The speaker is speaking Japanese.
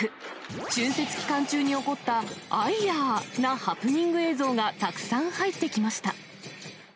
春節期間中に起こった、アイヤーなハプニング映像がたくさん入ってきました。